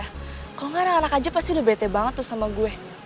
kalau nggak anak anak aja pasti udah bete banget tuh sama gue